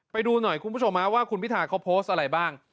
ไปดูหน่อยคุณผู้ชมว่าคุณพิธาเขาโพสต์อะไรบ้าง